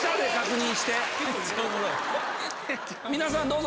皆さんどうぞ。